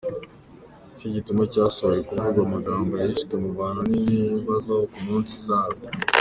Ni cyo gituma yashoboye kuvuga amagambo yahishwe ku bantu n’ibizabaho ku minsi izaza.